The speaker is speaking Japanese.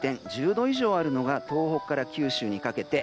１０度以上あるのが東北から九州にかけて。